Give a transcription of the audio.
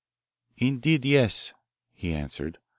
"Indeed yes," he answered.